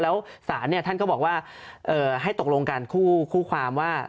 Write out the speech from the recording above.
แล้วศาลท่านก็บอกว่าให้ตกลงกันคู่ความว่า